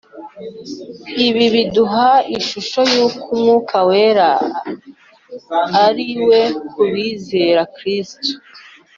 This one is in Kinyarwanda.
Ibi biduha ishusho y'uwo Umwuka Wera ari We ku bizera Kristo.